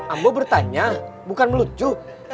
ambo bertanya bukan melucu